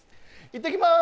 いってきます。